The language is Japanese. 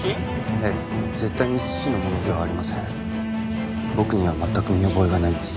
ええ絶対に父のものではありません僕にはまったく見覚えがないんです